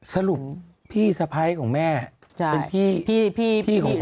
สรุปพี่สะพ้ายของแม่เป็นพี่ของ